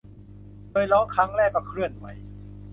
โดยร้องครั้งแรกก็เคลื่อนไหว